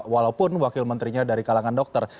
walaupun wakil menterinya dari kalangan dokter